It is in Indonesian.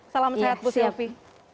salam sehat bu sylvi